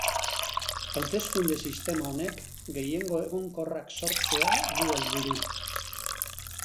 Hauteskunde sistema honek gehiengo egonkorrak sortzea du helburu.